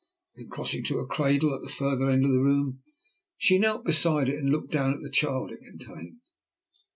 Then, crossing to a cradle at the further end of the room, she knelt beside it and looked down at the child it contained.